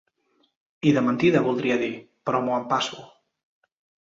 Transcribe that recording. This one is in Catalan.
I de mentida, voldria dir, però m'ho empasso.